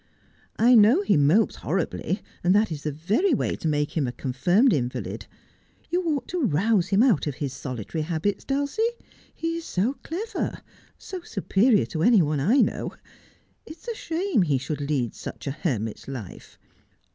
'I know he mopes horribly, and that is the very way to make him a confirmed invalid. You ought to rouse him out of his solitary habits, Dulcie. He is so clever — so superior to any one I know. It is a shame that he should lead such a hermit's life.